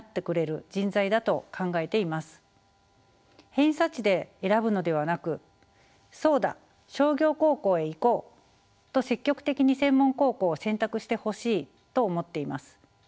偏差値で選ぶのではなく「そうだ商業高校へ行こう！」と積極的に専門高校を選択してほしいと思っています。